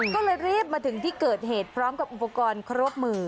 ก็เลยรีบมาถึงที่เกิดเหตุพร้อมกับอุปกรณ์ครบมือ